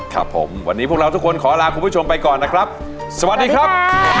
ครับผมวันนี้พวกเราทุกคนขอลาคุณผู้ชมไปก่อนนะครับสวัสดีครับ